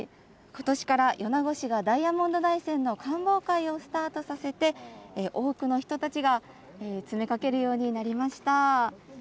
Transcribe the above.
ことしから米子市がダイヤモンド大山の観望会をスタートさせて、多くの人たちが詰めかけるようになりました。